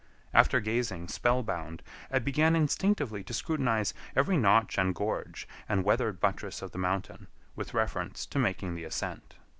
After gazing spellbound, I began instinctively to scrutinize every notch and gorge and weathered buttress of the mountain, with reference to making the ascent.